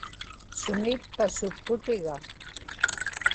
sumi itpa supputiga